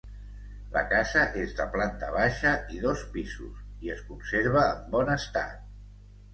La casa és de planta baixa i dos pisos i es conserva en bon estat.